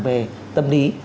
về tâm lý